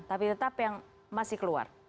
tapi tetap yang masih keluar